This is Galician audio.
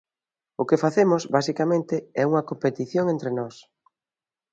O que facemos, basicamente, é unha competición entre nós.